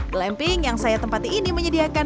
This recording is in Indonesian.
glamping yang saya tempati ini menyediakan